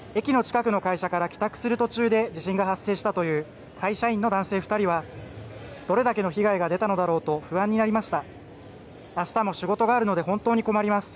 駅の近くの会社から帰宅する途中で地震が発生したという会社員の男性２人はどれだけの被害が出たのだろうと不安になりました。